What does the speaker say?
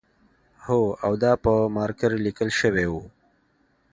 هو او دا په مارکر لیکل شوی و